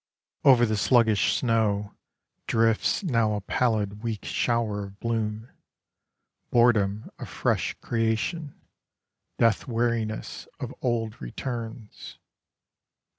Over the sluggish snow, Drifts now a pallid weak shower of bloom; Boredom of fresh creation, Death weariness of old returns.